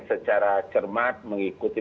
secara cermat mengikuti